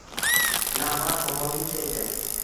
Navbat bobomga keldi